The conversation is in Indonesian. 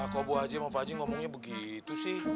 kok bu haji sama pak haji ngomongnya begitu sih